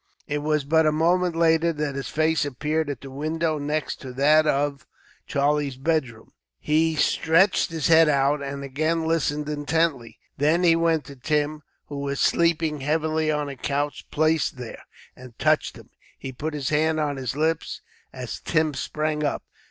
It was but a moment later that his face appeared at the window next to that of Charlie's bedroom. He stretched his head out, and again listened intently. Then he went to Tim, who was sleeping heavily on a couch placed there, and touched him. He put his hand on his lips, as Tim sprang up.